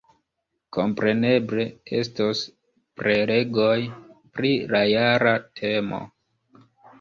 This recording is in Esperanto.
Kompreneble, estos prelegoj pri la jara temo.